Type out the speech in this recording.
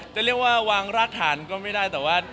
จะเรียกว่าวางรากฐานก็ไม่ได้แต่ว่า